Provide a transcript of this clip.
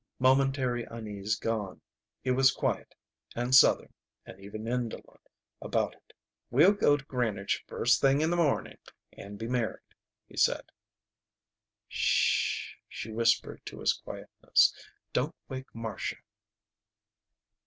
Momentary unease gone, he was quiet and Southern and even indolent about it. "We'll go to Greenwich first thing in the morning and be married," he said. "Sh h h!" she whispered to his quietness. "Don't wake Marcia."